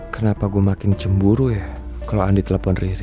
kenapa gua makin cemburu ya kalau andi telepon riri